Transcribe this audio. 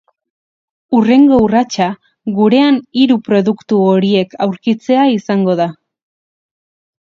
Hurrengo urratsa gurean hiru produktu horiek aurkitzea izango da.